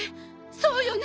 そうよね。